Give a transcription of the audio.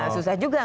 susah juga kan